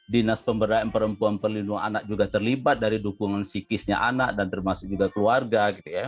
dinas pemberdayaan perempuan perlindungan anak juga terlibat dari dukungan psikisnya anak dan termasuk juga keluarga gitu ya